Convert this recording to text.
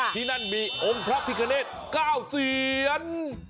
ที่นั่นมีองค์พระพิกเกณฑ์เก้าเซียน